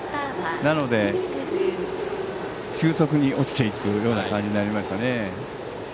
なので、急速に落ちていくような感じになりましたね。